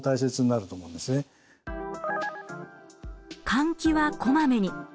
換気はこまめに。